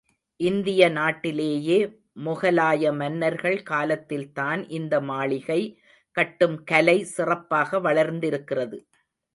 இந்திய நாட்டிலேயே மொகலாய மன்னர்கள் காலத்தில்தான் இந்த மாளிகை கட்டும் கலை சிறப்பாக வளர்ந்திருக்கிறது.